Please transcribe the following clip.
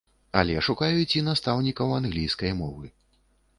Але шукаюць і настаўнікаў англійскай мовы.